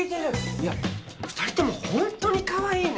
いや２人ともホントにかわいいね。